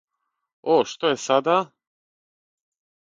О, што је сада?